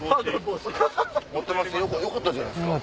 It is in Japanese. よかったじゃないですか。